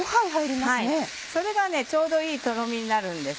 それがちょうどいいとろみになるんです。